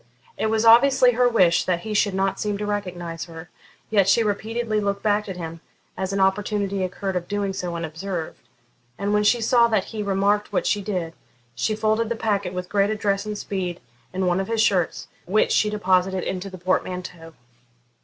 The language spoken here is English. It was obviously her wish that he should not seem to recognise her, yet she repeatedly looked back at him, as an opportunity occurred of doing so unobserved, and when she saw that he remarked what she did, she folded the packet with great address and speed in one of his shirts, which she deposited in the portmanteau.